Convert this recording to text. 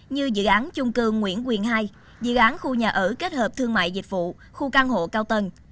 như dự án chung cương nguyễn quyền hai dự án khu nhà ở kết hợp thương mại dịch vụ khu căn hộ cao tầng